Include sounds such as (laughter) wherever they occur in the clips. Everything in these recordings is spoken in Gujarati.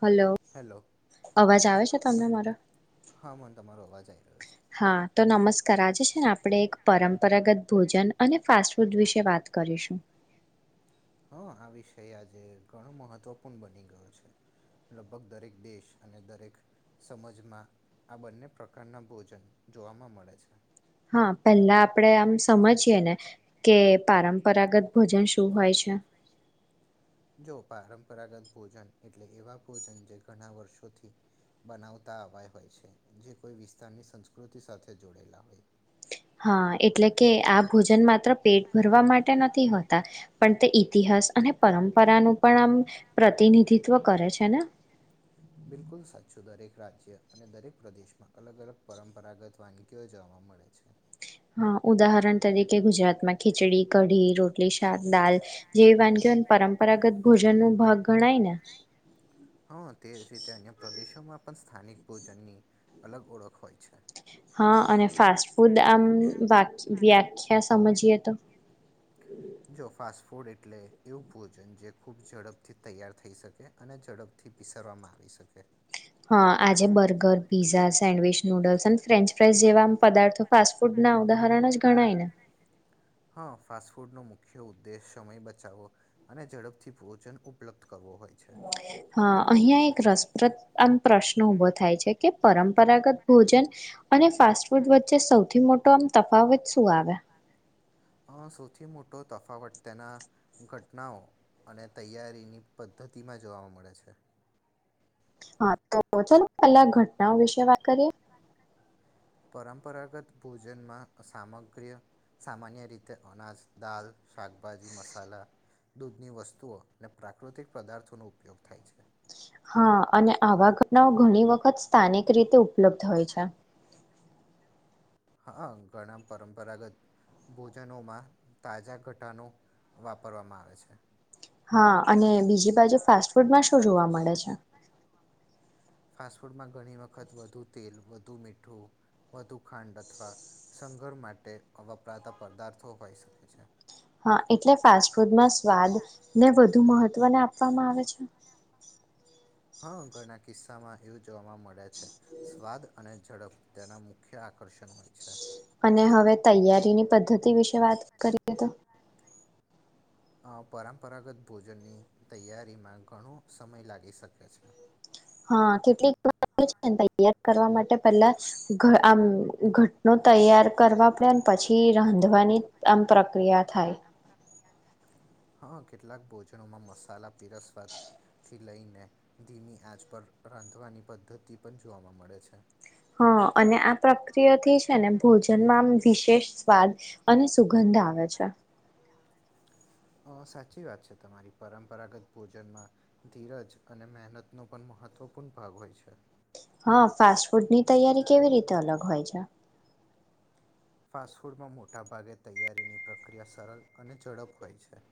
હલો હેલો અવાજ આવે છે તમને મારો? હા મને તમારો અવાજ છે. હા તો નમસ્કાર. કરે છે ને આપણે એક પરંપરાગત ભોજન અને ફાસ્ટ ફૂડ વિશે વાત કરીશું. હા આ વિષય આજે ઘણો મહત્વપૂર્ણ બની ગયો છે, લગભગ દરેક દેશ અને દરેક સમાજમાં આ બંને પ્રકારના ભોજન જોવાવામાં મળે છે. હા પેલા આપડે આમ સમજીય ને, કે પાર પરાગત ભોજન શું હોય છે. જો પરંપરાગત ભોજન એટલે એવા ભોજન જે ઘણા વર્ષોથી, બનાવતા આવા હોય છે જે કોઈ વિસ્તારની સંસ્કૃતિ સાથે જોડેલા હોય. હા એટલે કે આ ભોજન માત્ર પેટ ભરવા માટે નથી હોતા પણ, તે ઈતિહાસ અને પરંપરાનું પણ, આમ પ્રતિનિધિત્વ કરે છે ને. બિલકુલ સાચું દરેક રાજ્ય અને દરેક પ્રદેશમાં અલગ અલગ પરંપરાગત વાનગીઓ જોવા મળે છે. હા ઉદાહરણ તરીકે ગુજરાતમાં ખીચડી કઢી રોટલી શાક દાલ, જેવી વાનગીઓ પરંપરાગત ભોજન નો ભાગ ગણાય ને. હા તે રીતે અન્ય પ્રદેશોમાં પણ સ્થાનિક ભોજનની અલગ ઓળખ હોય છે. હા અને ફાસ્ટ ફૂડ આમ વ્યાખ્યા સમજીએ તો. જો ફાસ્ટ ફૂડ એટલે એવું ભોજન જે ખૂબ ઝડપથી તૈયાર થઈ શકે અને ઝડપથી પીસરવામાં આવી શકે હાઆજે બર્ગર, પીઝા, સેન્ડવિચ નૂડલ્સ અને ફ્રેન્ચ ફાઇઝ જેવામ પદાર્થો ફાસ ફૂડ ના ઉદાહરણ જ ગણાયને હા, ફાસ્ટ ફૂડ નો મુખ્ય ઉદ્દેશ સમય બચાવો અને ઝડપથી ભોજન ઉપલબ્ધ કરવો હોય છે હા અહીંયા એ રસપ્રદ આમ પ્રશ્ન ઉભો થાય છે કે પરંપરાગત ભોજન અને ફાસ્ટ ફૂડ વચ્ચે સૌથી મોટો આમ તફાવત શું આવે સૌથી મોટો તફાવત તેના ઘટનાઓ અને તૈયારીની પદ્ધતિમાં જોવા મળે છે. હા તો ચાલો પહેલા ઘટનાઓ વિશે વાત કરીએ પરંપરાગત ભોજનમાં સામગ્રીઓ સામાન્ય રીતે અનાજ દાલ શાકભાજી મસાલા દૂધની વસ્તુઓ અને પ્રાકૃતિક પદાર્થો નો ઉપયોગ થાય છે. હા અને આવા ઘટનાઓ ઘણી વખત સ્થાનિક રીતે ઉપલબ્ધ હોય છે. હા ઘણા પરંપરાગત ભોજનોમાં તાજા ઘટાડો વાપરવામાં આવે છે. હા અને બી બીજી બાજુ ફાસ્ટ ફૂડમાં શું જોવા મળે છે. ફાસ્ટફૂડમાં ઘણી વખત વધુ તેલ વધુ મીઠું વધુ ખાંડ અથવા સઘર્હ માટે વપરાતા પદાર્થો હોઈ શકે છે. હા એટલે ફાસ્ટ ફૂડમાં સ્વાદ ને વધુ મહત્વને આ આપવામાં આવે છે. હા ધણા કિસ્સામાં એવુ જોવા મળે છે સ્વાદ અને ઝડપ તેના મુખ્ય આકર્ષક હોય છે. અને હવે તૈયારીની પદ્ધતિ વિશે વાત કરીએ તો પરંપરાગત ભોજનની તૈયારીમાં ઘણો સમય લાગી શકે છે. હા કેટલીક છેને તૈયાર કરવા માટે પહેલા ધ આમ ઘટનો તૈયાર કરવા પડે ને પછી રાંધવાની આમ પ્રક્રિયા થાય હા કેટલાક ભોજનોમાં મસાલા પીરસવાદ થી લઈને ધીમી આંચ પર રાંધવાની પદ્ધતિ પણ જોવા મળે છે. હા અને આ પ્રક્રિયાથી છે ને ભોજનમાં આમ વિશેષ સ્વાદ અને સુગંધ આવે છે. અ સાચી વાત છે તમારી પરંપરાગત ભોજનમાં ધીરજ અને મહેનતનો પણ મહત્વપૂર્ણ ભાગ હોય છે. હા ફાસ્ટ ફૂડ ની તૈયારી કેવી રીતે અલગ હોય છે. ફાસ્ટફૂડમાં મોટાભાગે તૈયારીની પ્રક્રિયા સરળ અને ઝડપ હોય છે.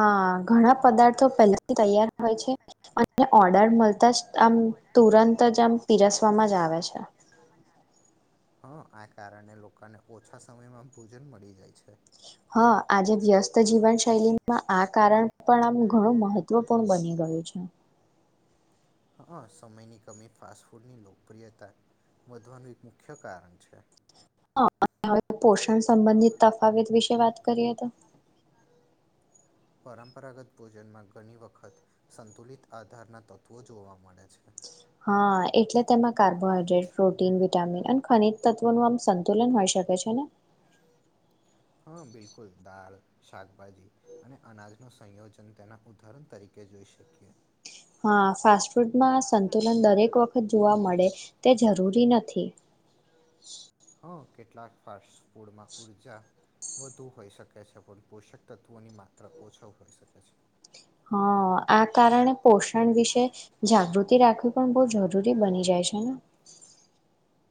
હા ઘણા પદાર્થો પહેલાથી તૈયાર હોય છે અને ઓર્ડર મલતા જ આમ તુરંત જ આમ પીરસવામાં જ આવે છે. હા આ કારણે લોકોને ઓછા સમયમાં ભોજન મળી જાય છે. હા આજે વ્યસ્ત જીવન શૈલીમાં આ કારણ પણ આામ ઘણું મહત્વપૂર્ણ બની ગયું છે. હા સમયની કમી ફાસ્ટ ફૂડની લોકપ્રિયતા વધવાનું એક મુખ્ય કારણ છે. હવે પોષણ સંબંધિત તફાવત વિશે વાત કરીએ તો પરંપરાગત ભોજનમાં ઘણી વખત સંતુલિત આધારના તત્વો જોવા મળે છે. હા વિટામન અને ખનીજ તત્વો નુ આમ સંતુલન હોય શકે છે ને હા બિલકુલ દાળ શાકભાજી અને અનાજ સંયોજન તેના ઉદાહરણ તરીકે જોઈ શકીએ. હા ફાસ્ટ ફૂડમાં સંતુલન દરેક વ જોવા મળે તે જરૂરી નથી. હા કેટલાક ફાસ્ટ ફૂડમાં ઉર્જા વધુ હોઈ શકે છે પણ પોષક તત્વોની માત્રા ઓછા હોઈ શકે છે. હા આ કારણે પોષણ વિશે જાગૃતિ રાખવી પણ બો જરૂરી બની જાય છે ને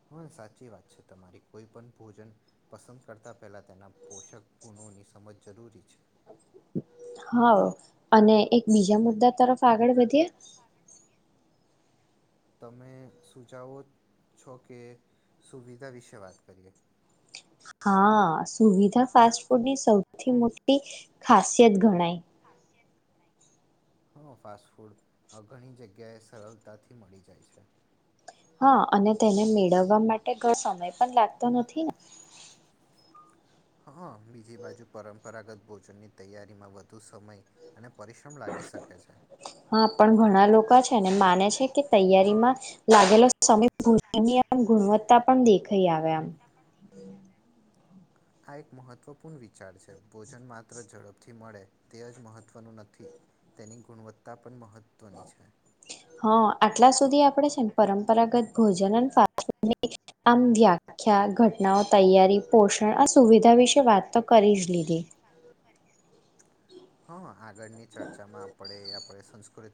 હા સાચી વાત છે તમારી કોઈ પણ ભોજન પસંદ કરતા પહેલા તેના પોષક ગુણોની સમજ જરૂરી છે. હા અને એક બીજા મુદ્દા તરફ આગળ વધીએ તમે સુચાવો છો કે સુવિધા વિશે વાત કરીએ હા, સુવિધા ફાસ્ટ ફૂડની સૌથી મોટી ખાસિયત ગણાય હા, ફાસ્ટ ફૂડ આ ઘણી જગ્યાએ સરળતાથી મળી જાય છે હા, અને તેને મેળવવા માટે ઘ સમય પણ લાગતો નથી ને હા, બીજી બાજુ પરંપરાગત ભોજનની તૈયારીમાં વધુ સમય અને પરિશ્રમ લાગી શકે છે હા, પણ ઘણા લોકો છે એને માને છે કે તૈયારીમાં લાગેલો સમ ભજની આમ ગુણવત્તા પણ દેખાઈ આવે આમ આ એક મહત્વપૂર્ણ વિચાર છે ભોજન માત્ર ઝડપથી મળે તે હજુ મહત્વનું નથી તેની ગુણવત્તા પણ મહત્વની છે હા આટલા સુધી આપણે છે પરંપરાગત ભોજન અનેની આમ વ્યાખ્યા, ઘટનાઓ તૈયારી પોષણ આ સુવિધા વિશે વાત તો કરી જ લીધી હા આગળની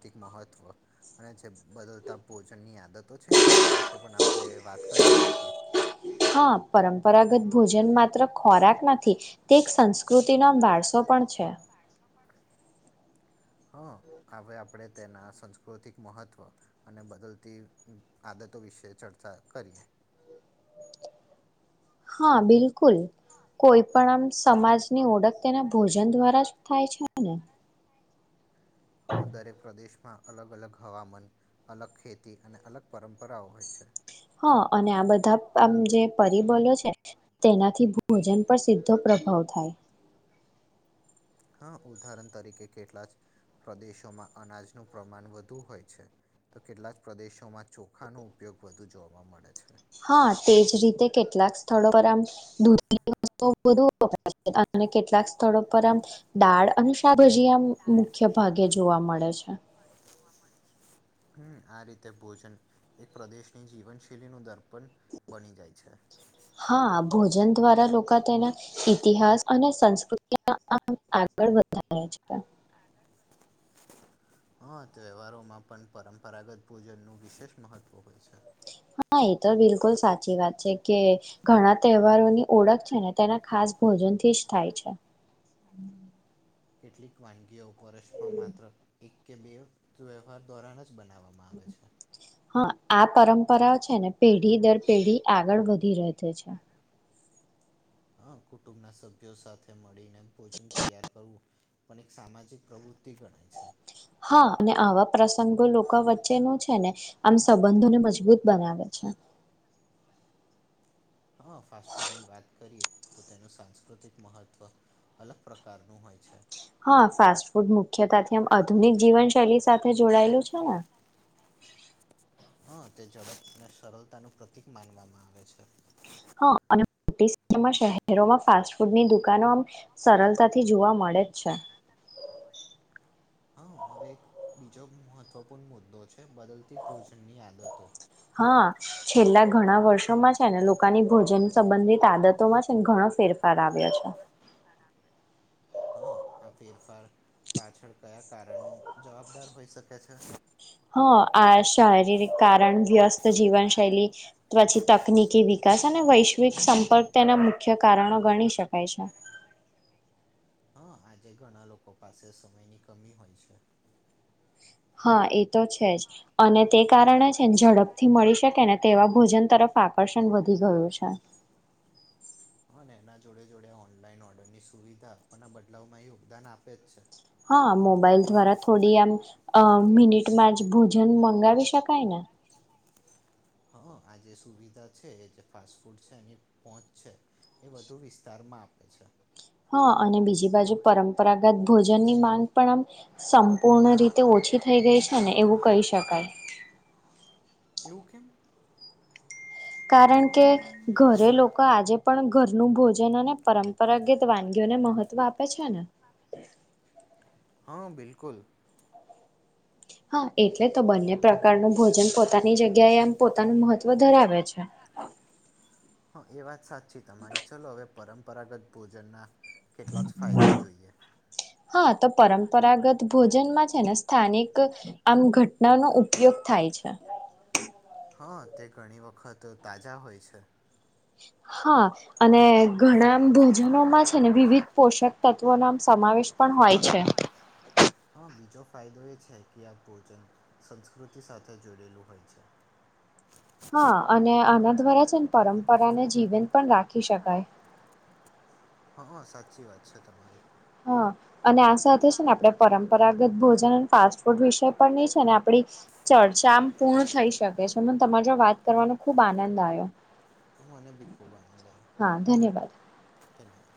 મહત્વ અને જે બદલતા ભોજનની આદતો છે એના વિશે પણ આપ હા પરંપરાગત ભોજન માત્ર ખોરાક નથી તે સંસ્કૃતિનો વારસો પણ છે હ હવે આપણે તેના સંસ્કૃતિક મહત્વ અને બદલતી આદતો વિશે ચર્ચા કરીએ હા બિલકુલ કોઈ પણ આમ સમાજ ની ઓળખ તેના ભોજન દ્વારા થાય છે હા દરેક પ્રદેશ માં અલગ અલગ હવામાન અલગ ખેતી અને અલગ પરંપરાઓ હોય છે હા અને આ બધા આમ જે પરિબલો છે તેનાથી ભોજન પર સીધો પ્રભાવ થાય હા ઉદાહરણ તરીકે કેટલા જ પ્રદેશોમાં અનાજનું પ્રમાણ વધુ હોય છે તો કેટલા જ પ્રદેશોમાં ચોખાનો ઉપયોગ વધુ જોવા મળે છે હા તેજ રીતે કેટલાક સ્થળો પર આમ દૂધની વસ્તુ વધુપરા અને કેટલાક સ્થળો પર આમ દાળ અને શાકભાજી આમ મુખ્ય ભાગે જોવા મળે છે હમ આ રીતે ભોજન એક પ્રદેશની જીવન શૈલી નું દર્પ પણ બની જાય છે ભ જન દ્વારા લોકો તેના ઇતિહાસ અને સંસ્કૃતિમાં આગળ વધારે છે હા તહેવારોમાં પણ પરંપરાગત ભોજન નું વિશેષ મહત્વ હોય છે હા એ તો બિલકુલ સાચી વાત છે કે ઘણા તહેવારોની ઓળખ છે ને તેના ખાસ ભોજનથી જ થાય છે કેટલીક વાનગીઓ વર્ષમાં માત્ર એક કે બેવ ત્યવાહર દોરાનજ બનાવામાં આવે છે પરંપરા છે છે ને પેઢી દર પેઢી આગળ વધે (unintelligible) છે હ કુટુંબ ના સભ્યો સાથે મળી ભોજન તૈયાર કરવું પણ એક સામાજિક પ્રવૃત્તિ ગણાય છે હા, અને આવા પ્રસંગો લોકો વચ્ચે નુ છે ને આમ સંબંધોને મજબૂત બનાવે છે હા, ફાસ્ટ ફૂડની વાત કરીએ તો તેનું સાંસ્કૃતિક મહત્વ અલગ પ્રકારનું હોય છે હા ફાસ્ટ ફૂડ મુખ્યતાથી આમ આધુનિક જીવન શૈલી સાથે જોડાયેલું છે ને હા, તે ઝડપ ને સરળતા નું પ્રતિક માનવામાં આવે છે હા અને મોમાં (unintelligible) શહેરોમાં ફાસ્ટ ફૂડની દુકાનો આમ સરળતાથી જોવા મળે જ છે હા, હવે એક બીજો મહત્વપૂર્ણ મુદ્દો છે બદલતી ભોજન ની આદતો હા છેલ્લા ઘણા વર્ષોમાં છે ને લોકોની ભોજન સંબંધિત આદતોમાં છે ને ઘણો ફેરફાર આવ્યા છે હા, આ ફેરફાર પાછળ કયા કારણો જવાબદાર હોઈ શકે છે હ, આ શારીરિક કારણ, વ્યસ્ત જીવન શૈલી, પછી તકનીકી વિકાસ ને વૈશ્વિક સંપર્ક તેના મુખ્ય કારણો ગણી શકાય છે હા આજે ઘણા લોકો પાસે સમયની કમી હોય છે હા એક તો છે જ અને તે કારણે છે ને ઝડપથી મળી શકે ને તેવા ભોજન તરફ આકર્ષણ વધી ગયું છે હા, એના જોડે જોડે ઓનલાઈન ઓર્ડર ની સુવિધા આપવાના બદલાવ માં યોગદાન આપે જ છે હા મોબાઈલ દ્વારા થોડી આમ મિનિટમાં જ ભોજન મંગાવી શકાય ને હા આ જે સુવિધા છે જે ફાસ્ટ ફૂડ છે એની પોચ છે એ બધું વિસ્તારમાં આપે છે હા અને બીજી બાજુ પરંપરાગત ભોજનની માંગ પણ આમ સંપૂર્ણ રીતે ઓછી થઈ ગઈ છે ને એવું કહી શકાય એવું કેમ કારણ કે ઘરે લોકો આજે પણ ઘરનું ભોજન અને પરંપરાગત વાનગીઓને મહત્વ આપે છે ને હા બિલકુલ હા એટલે તો બંને પ્રકારનું ભોજન પોતાની જગ્યાએ એમ પોતાનું મહત્ત્વ ધરાવે છે હ એ વાત સાચી પછી તમારી ચાલલો હવે પરં અ પરાગત ભોજન કેટલા જ ફાયદા જોઈએ હા તો પરંપરાગત ભોજનમાં છે ને સ્થાનિક આમ ઘટના નો ઉપયોગ થાય છે હા તે ઘણી વખત તાજા હોય છે હા અને ઘણા ભોજનોમાં છે ને વિવિધ પોષક તત્વોનોમ સમાવેશ પણ હોય છે હા બીજો ફાયદો એ છે કે આ ભોજન સંસ્કૃતિ સાથે જોડેલું હોય છે હા અને આના દ્વારા જ ને પરંપરાને જીવંત પણ રાખી શકાય હં સાચી વાત છે તમારી હા અને આ સાથે છે ને આપણે પરંપરાગત ભોજન અને ફાસ્ટ ફૂડ વિષય પણ નઈ છે ને આપણી ચર્ચા આમ પૂર્ણ થઈ શકે છે મને તમારો વાત કરવાનો ખુબ આનંદ આવ્યો મને બી ખૂબ આનંદ આવ્યો હા ધન્યવાદ ધન્યવાદ